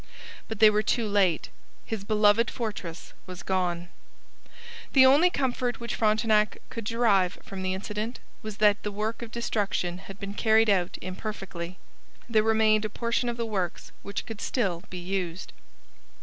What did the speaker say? But they were too late. His beloved fortress was gone. The only comfort which Frontenac could derive from the incident was that the work of destruction had been carried out imperfectly. There remained a portion of the works which could still be used.